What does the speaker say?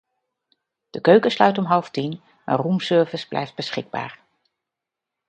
De keuken sluit om half tien, maar roomservice blijft beschikbaar.